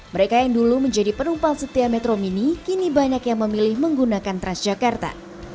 mereka yang dulu menjadi penumpang setia metro mini kini banyak yang memilih menggunakan transjakarta